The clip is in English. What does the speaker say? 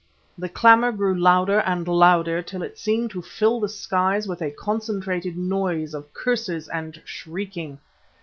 The clamour grew louder and louder till it seemed to fill the skies with a concentrated noise of curses and shrieking.